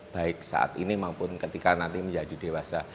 baik saat ini maupun ketika nanti menjadi dewasa